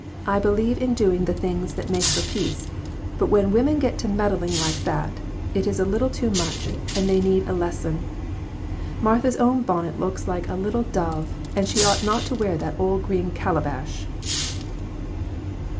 I believe in doing the things that make for peace, but /when women get to meddling like that, it's a little too much, and they need a les son/ Martha's own bonnet looks like a little dove, and she ought not to wear that old green calabash."